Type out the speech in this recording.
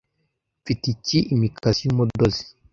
mfite iki imikasi y umudozi